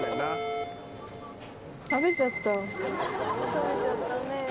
食べちゃった。